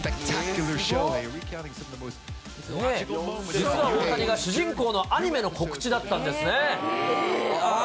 実は大谷が主人公のアニメの告知だったんですね。